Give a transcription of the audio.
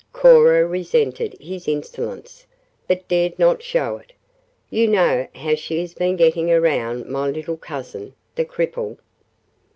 Cora resented his insolence, but dared not show it. "You know how she has been getting around my little cousin, the cripple."